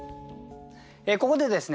ここでですね